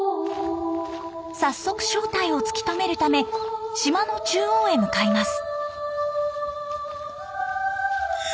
早速正体を突き止めるため島の中央へ向かいます。